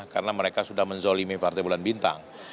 karena mereka sudah menzolimi partai bulan bintang